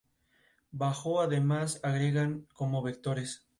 Bajo Además, agregan como vectores.